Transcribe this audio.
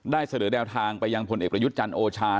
ได้เสด็จแดวทางไปยังผลเอกประยุทธ์จันโอชา